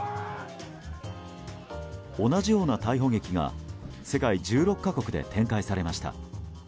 同じような逮捕劇が世界１６か国で展開されました。